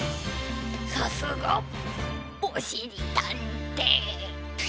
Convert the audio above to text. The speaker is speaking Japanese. さすがおしりたんていさん。